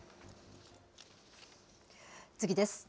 次です。